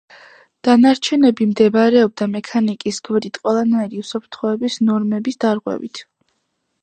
დანარჩენები მდებარეობდა მექანიკის გვერდით ყველანაირი უსაფრთხოების ნორმების დარღვევით.